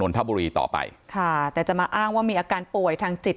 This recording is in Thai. ทบุรีต่อไปค่ะแต่จะมาอ้างว่ามีอาการป่วยทางจิต